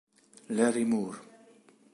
Larry Moore